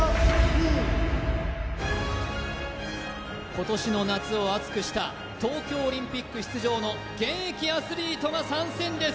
今年の夏を熱くした東京オリンピック出場の現役アスリートが参戦です